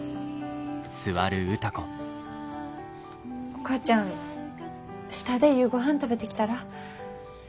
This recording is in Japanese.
お母ちゃん下で夕ごはん食べてきたら。